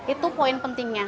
itu poin pentingnya